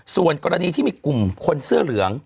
ส่วนกรณีที่มีกลุ่มคนเสื้อเหลือง